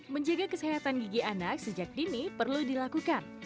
menjaga kesehatan gigi anak sejak dini perlu dilakukan